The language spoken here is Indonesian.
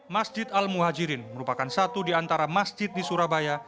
masjid al muhajirin merupakan satu di antara masjid di surabaya